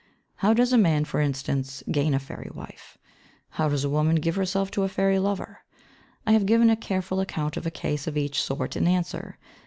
How does a man, for instance, gain a fairy wife? How does a woman give herself to a fairy lover? I have given a careful account of a case of each sort in answer.